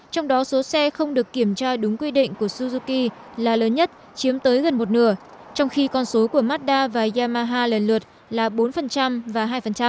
trong đó số xe không được kiểm tra đúng quy định của suzuki là lớn nhất chiếm tới gần một nửa trong khi con số của mazda và yamaha lần lượt là bốn và hai